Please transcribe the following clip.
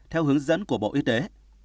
theo hướng dẫn của bộ y tế